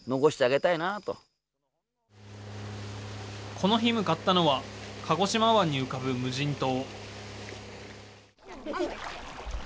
この日向かったのは、鹿児島湾に浮かぶ無人島。